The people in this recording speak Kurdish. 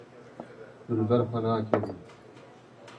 Tu li ber xwe nakevî.